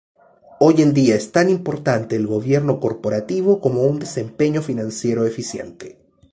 Hoy en día es tan importante el Gobierno Corporativo como un desempeño financiero eficiente.